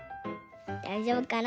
だいじょうぶかな？